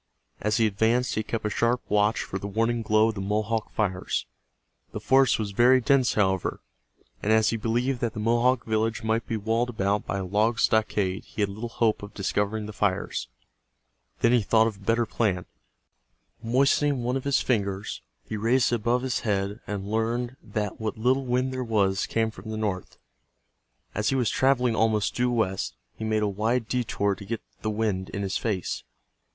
As he advanced he kept a sharp watch for the warning glow of the Mohawk fires. The forest was very dense, however, and as he believed that the Mohawk village might be walled about by a log stockade he had little hope of discovering the fires. Then he thought of a better plan. Moistening one of his fingers, he raised it above his head and learned that what little wind there was came from the north. As he was traveling almost due west, he made a wide detour to get the wind in his face.